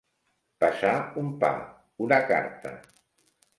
Pesar un pa, una carta.